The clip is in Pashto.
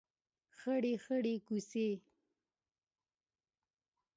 خړې خړۍ کوڅې